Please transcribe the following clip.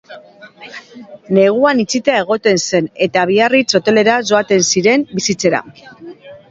Neguan itxita egoten zen eta Biarritz Hotelera joaten ziren bizitzera.